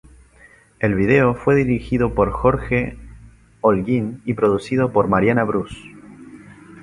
El video fue dirigido por Jorge Olguín y producido por Mariana Bruce.